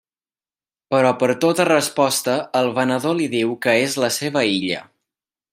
Però per tota resposta el venedor li diu que és la seva illa.